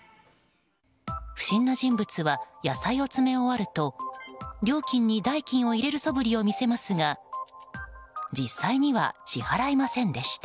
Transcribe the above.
不審な人物は野菜を詰め終わると料金に代金を入れるそぶりを見せますが実際には支払いませんでした。